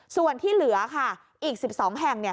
ส่วนที่เหลือค่ะอีก๑๒แห่ง